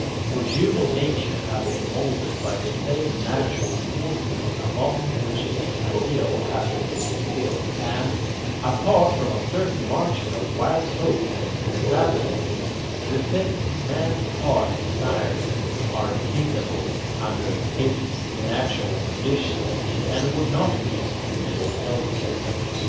For human nature has been moulded by the same natural forces among which its ideal has to be fulfilled, and, apart from a certain margin of wild hopes and extravagances, the things man's heart desires are attainable under his natural conditions and would not be attainable elsewhere.